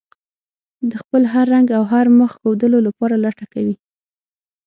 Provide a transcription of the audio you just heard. د خپل هر رنګ او هر مخ ښودلو لپاره لټه کوي.